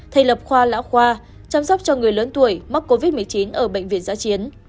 thay lập khoa lão khoa chăm sóc cho người lớn tuổi mắc covid một mươi chín ở bệnh viện giã chiến